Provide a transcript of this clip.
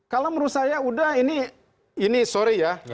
kalau menurut saya sudah ini ini sorry ya